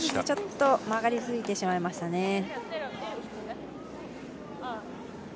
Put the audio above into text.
ちょっと曲がりづいてしまいましたね。